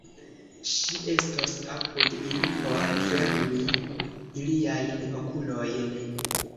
Ŝi estos apud ili por fermi iliajn okulojn.